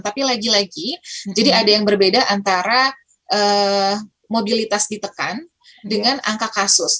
tapi lagi lagi jadi ada yang berbeda antara mobilitas ditekan dengan angka kasus